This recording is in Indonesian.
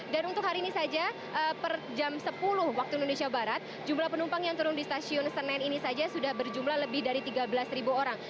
dan untuk hari ini saja per jam sepuluh waktu indonesia barat jumlah penumpang yang turun di stasiun senen ini saja sudah berjumlah lebih dari tiga belas orang